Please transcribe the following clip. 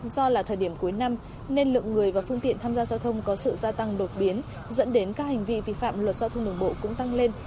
do là thời điểm cuối năm nên lượng người và phương tiện tham gia giao thông có sự gia tăng đột biến dẫn đến các hành vi vi phạm luật giao thông đường bộ cũng tăng lên